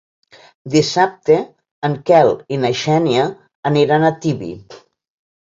Dissabte en Quel i na Xènia aniran a Tibi.